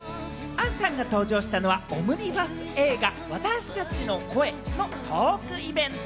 杏さんが登場したのはオムニバス映画『私たちの声』のトークイベント。